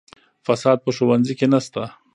فساد په ښوونځي کې نشته.